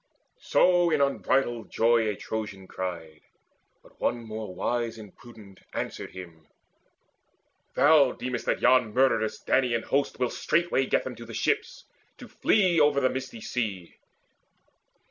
So in unbridled joy a Trojan cried; But one more wise and prudent answered him: "Thou deemest that yon murderous Danaan host Will straightway get them to the ships, to flee Over the misty sea.